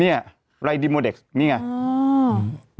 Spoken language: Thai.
นี่ลายดีโมเด็กซ์นี่ไง